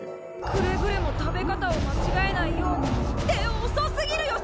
「くれぐれも食べ方をまちがえないように」。っておそすぎるよ